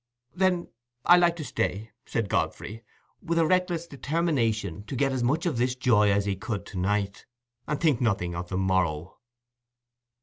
"Then I like to stay," said Godfrey, with a reckless determination to get as much of this joy as he could to night, and think nothing of the morrow.